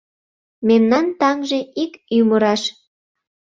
Мемнан таҥже ик ӱмыраш.